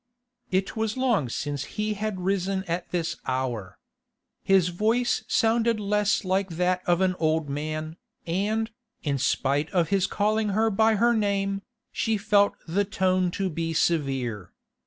It was long since he had risen at this hour. His voice sounded less like that of an old man, and, in spite of his calling her by her name, she felt the tone to be severe.